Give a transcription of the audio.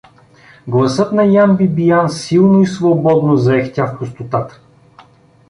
Гласът на Ян Бибиян силно и свободно заехтя в пустотата.